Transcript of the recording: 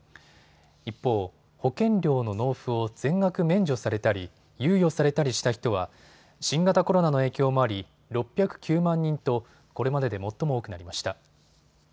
一方、保険料の納付を全額免除されたり猶予されたりした人は新型コロナの影響もあり、６０９万人とこれまでで最も多くなりました。